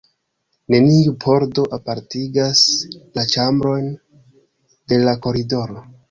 Neniu pordo apartigas la ĉambrojn de la koridoro.